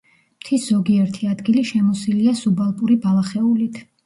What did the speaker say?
მთის ზოგიერთი ადგილი შემოსილია სუბალპური ბალახეულით.